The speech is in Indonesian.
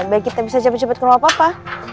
biar kita bisa cepet cepet ke rumah papa